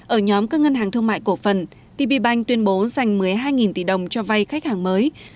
ở nhóm các ngân hàng thương mại cổ phần tpbank tuyên bố giành một mươi hai tỷ đồng cho vai khách hàng mới